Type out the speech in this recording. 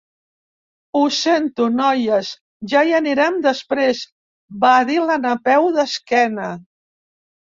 Ho sento, noies, ja hi anirem després —va dir la Napeu, d'esquena.